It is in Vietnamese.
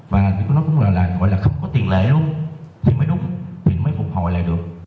và nó cũng là gọi là không có tiền lệ luôn thì mới đúng thì mới phục hồi lại được